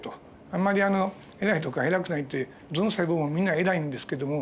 あんまり偉いとか偉くないってどの細胞もみんな偉いんですけども。